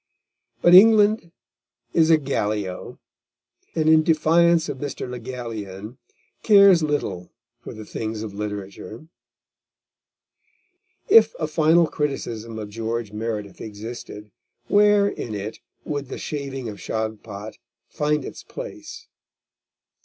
But England is a Gallio, and in defiance of Mr. Le Gallienne, cares little for the things of literature. If a final criticism of George Meredith existed, where in it would The Shaving of Shagpat find its place?